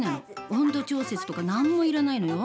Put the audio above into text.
温度調節とか何もいらないのよ。